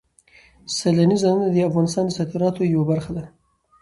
سیلاني ځایونه د افغانستان د صادراتو یوه برخه ده.